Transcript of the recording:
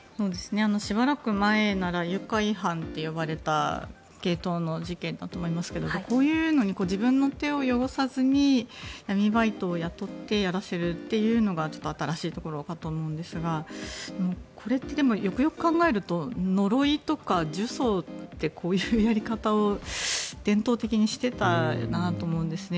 しばらく前なら愉快犯と呼ばれた系統の事件だと思いますがこういうのに自分の手を汚さずに闇バイトを雇ってやらせるというのが新しいところかと思うんですがこれって、でもよくよく考えると呪いとか呪詛ってこういうやり方を伝統的にしてたなと思うんですね。